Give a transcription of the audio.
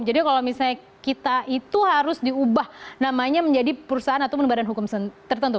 jadi kalau misalnya kita itu harus diubah namanya menjadi perusahaan atau bernama badan hukum tertentu